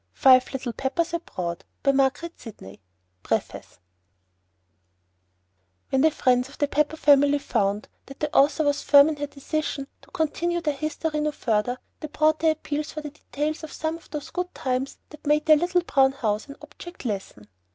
FIVE LITTLE PEPPERS ABROAD by MARGARET SIDNEY Illustrated by FANNY Y. CORY PREFACE When the friends of the Pepper family found that the author was firm in her decision to continue their history no further, they brought their appeals for the details of some of those good times that made the "little brown house" an object lesson.